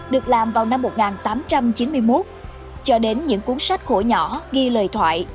được làm vào năm một nghìn tám trăm chín mươi một cho đến những cuốn sách khổ nhỏ ghi lời thoại